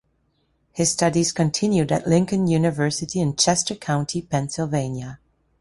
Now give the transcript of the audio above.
His studies continued at Lincoln University in Chester County, Pennsylvania.